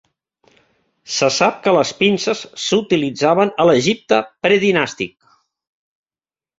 Se sap que les pinces s'utilitzaven a l'Egipte predinàstic.